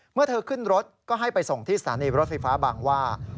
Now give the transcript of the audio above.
เมื่อเธอขึ้นรถก็ให้ไปส่งที่สถานีรถไฟฟ้าบางว่า